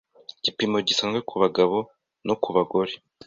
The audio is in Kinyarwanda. igipimo gisanzwe ku bagabo no ku bagore